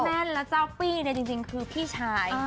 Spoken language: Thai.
แน่นแล้วเจ้าปี้เนี่ยจริงคือพี่ชาย